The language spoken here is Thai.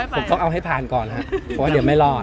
ผมต้องเอาให้ผ่านก่อนครับเพราะว่าเดี๋ยวไม่รอด